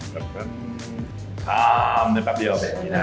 ทำเป็นแป๊บเดียวคือยังไง